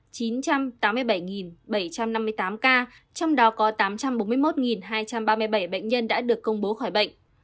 chín trăm tám mươi bảy bảy trăm năm mươi tám ca trong đó có tám trăm bốn mươi một hai trăm ba mươi bảy bệnh nhân đã được công bố khỏi bệnh